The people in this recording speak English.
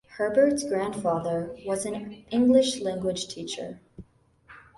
Herbert's grandfather was an English language teacher.